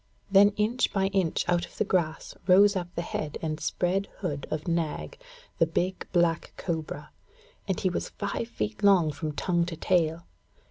Then inch by inch out of the grass rose up the head and spread hood of Nag, the big black cobra, and he was five feet long from tongue to tail.